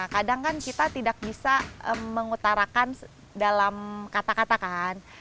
kadang kan kita tidak bisa mengutarakan dalam kata kata kan